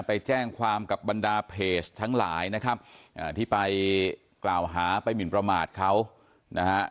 ไปแจ้งความกับบรรดาเพจทั้งหลายนะครับอ่าที่ไปกล่าวหาไปหมินประมาทเขานะฮะ